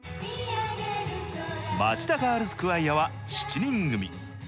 まちだガールズ・クワイアは、７人組。